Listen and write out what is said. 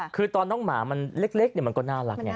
คือตอนน้องหมามันเล็กมันก็น่ารักไง